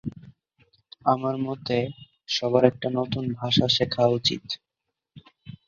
আমার মতে সবার একটা নতুন ভাষা শেখা উচিত।